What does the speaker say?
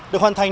được hoàn thành